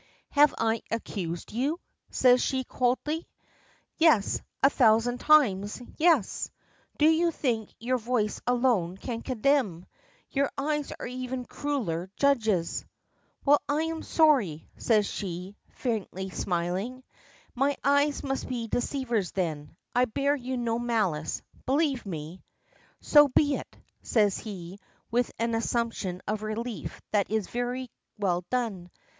"Have I accused you?" says she, coldly. "Yes, a thousand times, yes. Do you think your voice alone can condemn? Your eyes are even crueller judges." "Well I am sorry," says she, faintly smiling. "My eyes must be deceivers then. I bear you no malice, believe me." "So be it," says he, with an assumption of relief that is very well done.